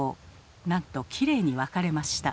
なんときれいに分かれました。